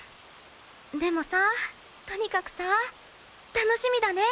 でもさとにかくさ楽しみだね！